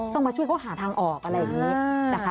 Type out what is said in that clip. ต้องมาช่วยเขาหาทางออกอะไรอย่างนี้